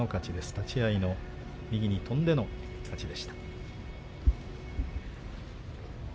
立ち合い、右に跳んでの立ち合いでした。